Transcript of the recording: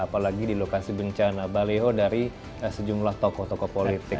apalagi di lokasi bencana baleo dari sejumlah tokoh tokoh politik